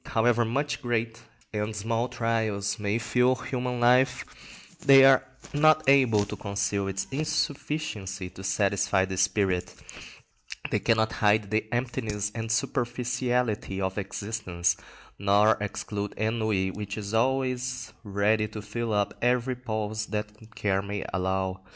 But however much great and small trials may fill human life, they are not able to conceal its insufficiency to satisfy the spirit; they cannot hide the emptiness and superficiality of existence, nor exclude ennui, which is always ready to fill up every pause that care may allow.